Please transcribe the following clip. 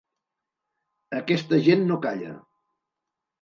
Aquesta gent no calla.